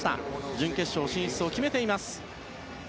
準決勝進出を決めています。